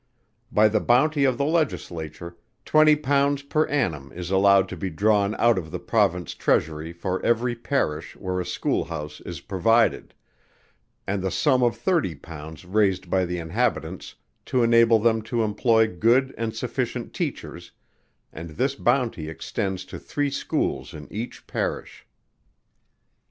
By the bounty of the Legislature, twenty pounds per annum is allowed to be drawn out of the Province Treasury for every Parish where a School House is provided, and the sum of thirty pounds raised by the inhabitants, to enable them to employ good and sufficient teachers, and this bounty extends to three schools in each Parish.